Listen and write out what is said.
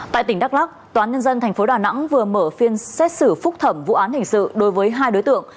tại tỉnh đắk lắc tòa án nhân dân tp đà nẵng vừa mở phiên xét xử phúc thẩm vụ án hình sự đối với hai đối tượng